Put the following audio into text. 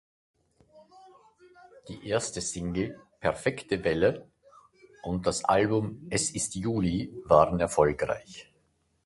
Die erste Single "Perfekte Welle" und das Album "Es ist Juli" waren erfolgreich.